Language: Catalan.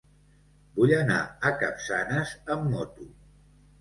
Vull anar a Capçanes amb moto.